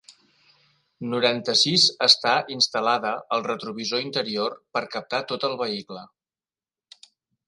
Noranta-sis estar instal·lada al retrovisor interior per captar tot el vehicle.